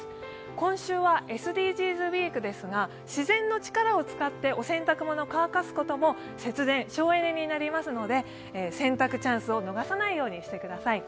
今週はＳＤＧｓウイークですが、自然の力を使ってお洗濯ものを乾かすことも節電、省エネになりますので洗濯チャンスを逃さないようにしてください。